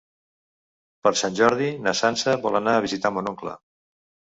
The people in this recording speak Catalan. Per Sant Jordi na Sança vol anar a visitar mon oncle.